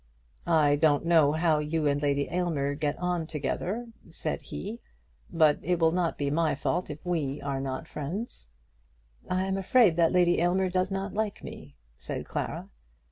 "I don't know how you and Lady Aylmer get on together," said he; "but it will not be my fault if we are not friends." "I am afraid that Lady Aylmer does not like me," said Clara.